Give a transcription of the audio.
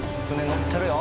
乗ってるよ